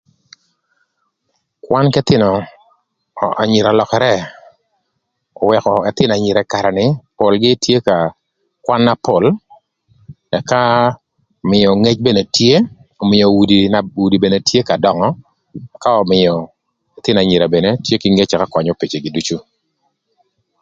Kwan k'ëthïnö anyira ölökërë öwëkö ëthïnö anyira ï karë ni polgï tye ka kwan na pol, ëka mïö ngec mene tye, ömïö udi udi mene tye ka döngö, ëka ömïö ëthïnö anyira mene tye kï ngec ëka könyö pecigï ducu.